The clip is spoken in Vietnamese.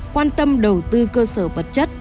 quan tâm đầu tư cơ sở vật chất